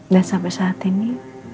dan sampai saat ini